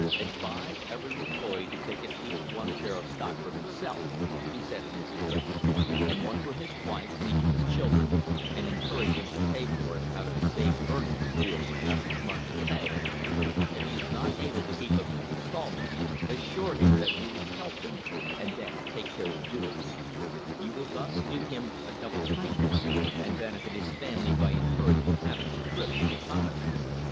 "Advise every employee to take at least one share of stock for himself," he said in his address, "and one for his wife and each of his children, and encourage him to pay for it out of his saved earnings or out of his monthly pay. If he is not able to keep up his instalments, assure him *See Appendix, Number 16. "The Agency." ["7] THE HISTORY OF THE STANDARD OIL COMPANY that you will help him, and then take care to do it. You will thus do him a double kindness, and benefit his family by encouraging habits of thrift and economy.